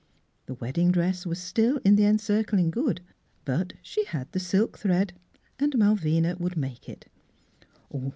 The wedding dress was still in the Encir cling Good, but she had the silk thread, and Malvina would make it.